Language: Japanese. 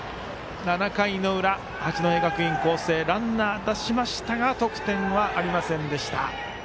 ７回の裏、八戸学院光星ランナー出しましたが得点なりませんでした。